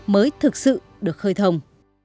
mới thực sự được khơi thông